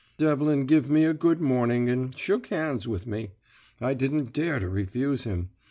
"Devlin give me good morning and shook hands with me; I didn't dare to refuse him.